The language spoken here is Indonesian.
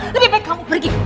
lebih baik kamu pergi